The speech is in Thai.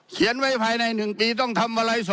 เขียนไว้ภายใน๑ปีต้องทำอะไร